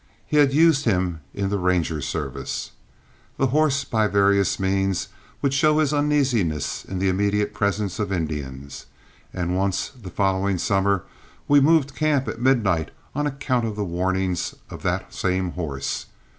He had used him in the Ranger service. The horse by various means would show his uneasiness in the immediate presence of Indians, and once the following summer we moved camp at midnight on account of the warnings of that same horse.